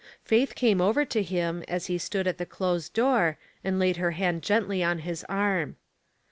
Faith came over to him, as he stood at the closed door, and laid her hand gently on his arm.